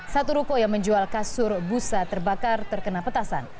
satu ruko yang menjual kasur busa terbakar terkena petasan